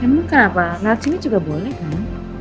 emang kenapa lewat sini juga boleh kan